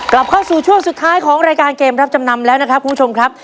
กลับเข้าสู่ช่วงสุดท้ายของรายการเกมรับจำนำแล้วนะครับคุณผู้ชมครับ